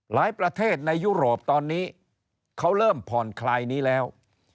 หลายประเทศในยุโรปตอนนี้เขาเริ่มผ่อนคลายนี้แล้ว